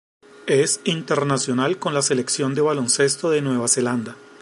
Es internacional con la Selección de baloncesto de Nueva Zelanda.